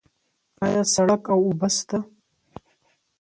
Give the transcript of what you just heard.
آیا سړک او اوبه شته؟